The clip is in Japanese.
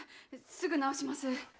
すぐ直します。